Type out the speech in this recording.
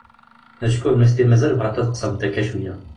Acku nutenti mazal bɣant ad qesrent akka cwiay.